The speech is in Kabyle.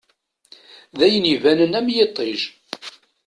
D ayen ibanen am yiṭij.